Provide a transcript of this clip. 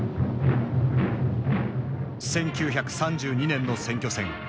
１９３２年の選挙戦。